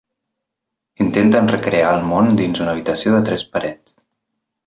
Intenten recrear el món dins una habitació de tres parets.